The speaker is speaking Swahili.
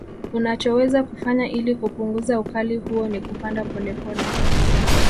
Unachoweza kufanya ili kupunguza ukali huo ni kupanda pole pole